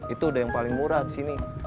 itu udah yang paling murah disini